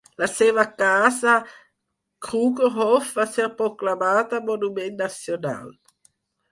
La seva casa "Krugerhof" va ser proclamada monument nacional.